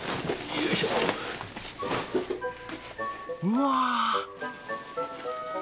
うわ！